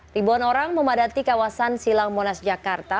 ribuan orang memadati kawasan silang monas jakarta